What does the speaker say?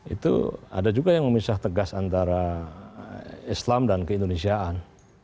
itu ada juga yang memisah tegas antara islam dan keindonesiaan